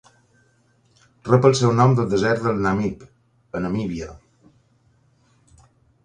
Rep el seu nom del desert del Namib, a Namíbia.